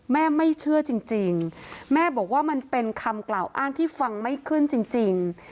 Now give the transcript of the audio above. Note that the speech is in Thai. แม่ไม่เชื่อจริงแม่บอกว่ามันเป็นคำกล่าวอ้างที่ฟังไม่ขึ้นจริง